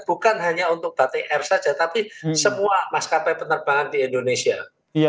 bukan hanya untuk batik air saja tapi semua maskapai penerbangan di indonesia